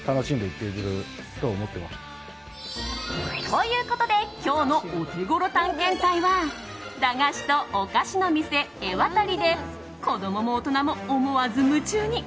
ということで今日のオテゴロ探検隊は駄菓子とおかしのみせエワタリで子供も大人も思わず夢中に。